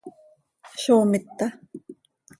¿Zó mita?